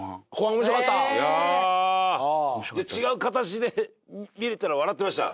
いや違う形で見にいってたら笑ってました？